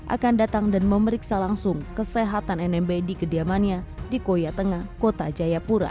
akan datang dan memeriksa langsung kesehatan nmb di kediamannya di koya tengah kota jayapura